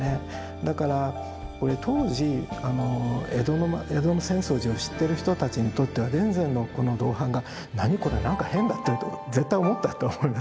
だからこれ当時あの江戸の浅草寺を知ってる人たちにとっては田善のこの銅版画何これ何か変だって絶対に思ったと思います。